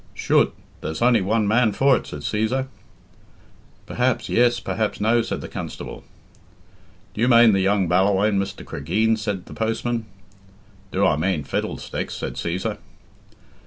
"Chut! There's only one man for it," said Cæsar. "Perhaps yes, perhaps no," said the constable. "Do you mane the young Ballawhaine, Mr. Cregeen?" said the postman. "Do I mane fiddlesticks!" said Cæsar.